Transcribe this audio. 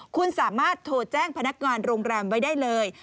คุณสามารถโทรแจ้งพนักงานโรงแรมไว้ได้เลย